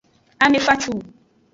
Ame facu.